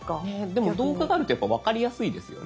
でも動画があるとやっぱ分かりやすいですよね。